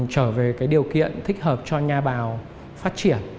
trở về cái điều kiện thích hợp cho nha bào phát triển